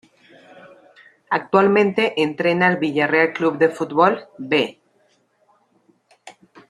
Actualmente entrena al Villarreal Club de Fútbol "B".